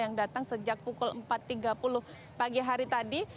yang datang sejak pukul empat tiga puluh pagi hari tadi